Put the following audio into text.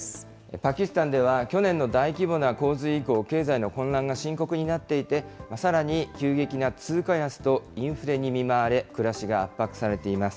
パキスタンでは去年の大規模な洪水以降、経済の混乱が深刻になっていて、さらに急激な通貨安とインフレに見舞われ、暮らしが圧迫されています。